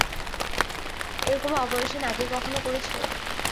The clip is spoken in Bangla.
এরকম অপারেশন আগে কখনও করেছ?